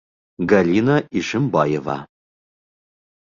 Галина Ишимбаева